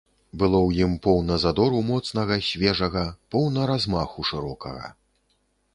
Было ў ім поўна задору моцнага, свежага, поўна размаху шырокага.